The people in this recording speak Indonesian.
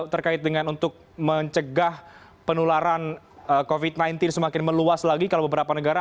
terkait dengan untuk mencegah penularan covid sembilan belas semakin meluas lagi kalau beberapa negara